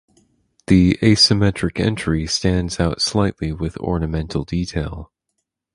The asymmetric entry stands out slightly with ornamental detail.